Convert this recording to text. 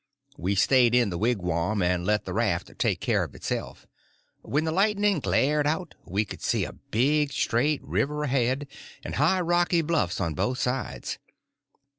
We stayed in the wigwam and let the raft take care of itself. When the lightning glared out we could see a big straight river ahead, and high, rocky bluffs on both sides.